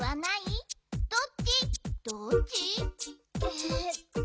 えっと。